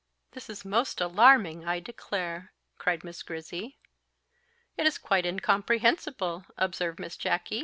This is most alarming, I declare!" cried Miss Grizzy. "It is quite incomprehensible!" observed Miss Jacky.